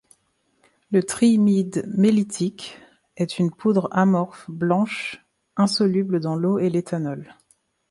Le triimide mellitique est une poudre amorphe blanche insoluble dans l'eau et l'éthanol.